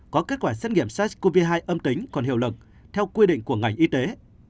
có kết quả xét nghiệm sars cov hai âm tính còn hiệu lực theo quy định của ngành y tế